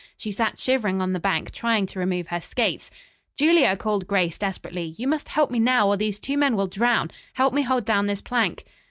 She sat shivering on the bank trying to remove her skates. "Julia," called Grace desperately. "You must help me now or these two men will drown. Help me hold down this plank."